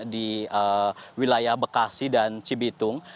di wilayah bekasi dan cibitung